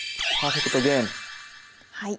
はい。